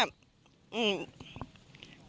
อืม